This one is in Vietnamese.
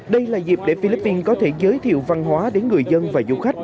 đây là dịp để philippines có thể giới thiệu văn hóa đến người dân và du khách